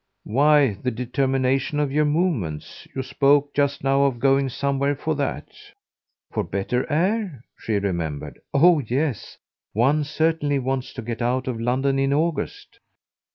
"Why the determination of your movements. You spoke just now of going somewhere for that." "For better air?" she remembered. "Oh yes, one certainly wants to get out of London in August."